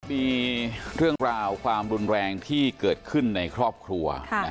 มีเรื่องราวความรุนแรงที่เกิดขึ้นในครอบครัว